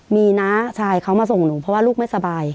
มีน้าชายเขามาส่งหนูเพราะว่าลูกไม่สบาย